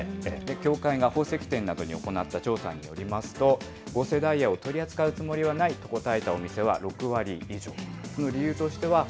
協会が宝石店などに行った調査によりますと、合成ダイヤを取り扱うつもりはないと応えたお店は６割以上。